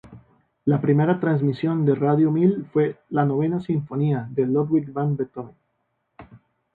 La primera transmisión de Radio Mil fue la "Novena Sinfonía" de Ludwig van Beethoven.